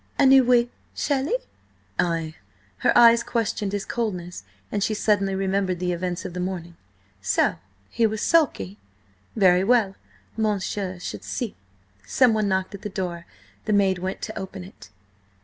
A new wig, surely?" "Ay." Her eyes questioned his coldness, and she suddenly remembered the events of the morning. So he was sulky? Very well! Monsieur should see! Someone knocked at the door; the maid went to open it.